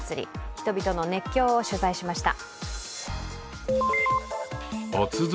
人々の熱狂を取材しました。